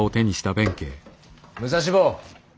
武蔵坊。